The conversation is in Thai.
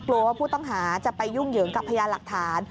ว่าผู้ต้องหาจะไปยุ่งเหยิงกับพยานหลักฐาน